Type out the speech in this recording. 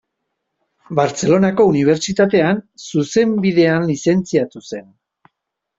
Bartzelonako Unibertsitatean Zuzenbidean lizentziatu zen.